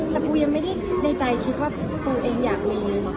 แต่กูยังไม่ได้ใจคิดว่าตัวเองอยากมี